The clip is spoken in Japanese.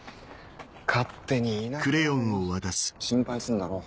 勝手にいなくなるな心配すんだろ。